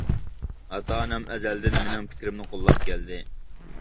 ئاتا-ئانام ئەزەلدىن مېنىڭ پىكرىمنى قوللاپ كەلدى.